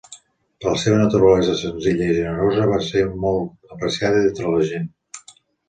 Per la seva naturalesa senzilla i generosa, va ser molt apreciat entre la gent.